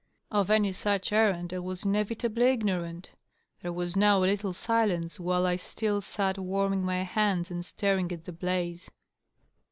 Of any such errand I was inevitably ignorant. There was now a little silence, while I still sat warming my hands and staring at the blaze.